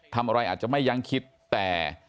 ทำอะไรอาจจะไม่ยังคิดแต่